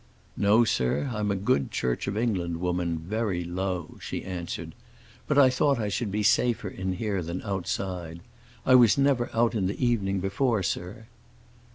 "No, sir; I'm a good Church of England woman, very Low," she answered. "But I thought I should be safer in here than outside. I was never out in the evening before, sir."